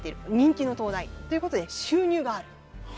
人気の灯台という事で収入がある。